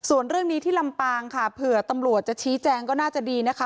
ส่วนเรื่องนี้ที่ลำปางค่ะเผื่อตำรวจจะชี้แจงก็น่าจะดีนะคะ